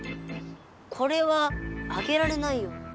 これはあげられないよ。